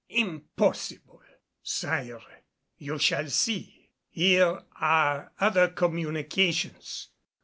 Impossible!" "Sire, you shall see. Here are other communications.